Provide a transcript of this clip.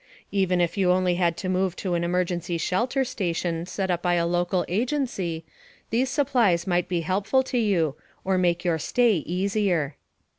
Even if you only had to move to an emergency shelter station set up by a local agency, these supplies might be helpful to you, or make your stay easier.